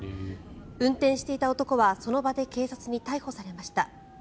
運転していた男はその場で警察に逮捕されました。